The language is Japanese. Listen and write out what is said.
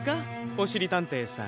おしりたんていさん。